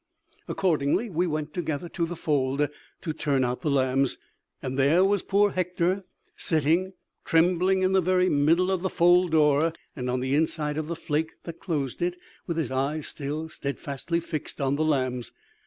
Accordingly we went together to the fold to turn out the lambs, and there was poor Hector, sitting trembling in the very middle of the fold door, on the inside of the flake that closed it, with his eyes still steadfastly fixed on the lambs.